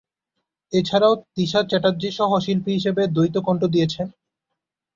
এছাড়াও তৃষা চ্যাটার্জি সহ-শিল্পী হিসেবে দ্বৈত কণ্ঠ দিয়েছেন।